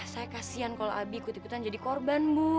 saya kasihan kalau abi kutiputan jadi korban bu